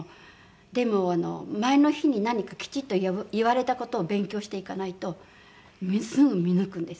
でも前の日に何かきちっと言われた事を勉強していかないとすぐ見抜くんですよ。